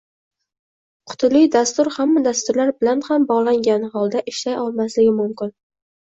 Qutili dastur hamma dasturlar bilan ham bog’langan holda ishlay olmasligi mumkin